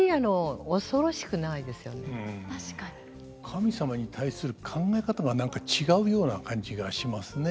神様に対する考え方が何か違うような感じがしますね。